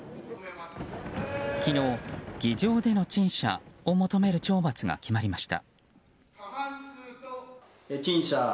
昨日、議場での陳謝を求める懲罰が決まりました。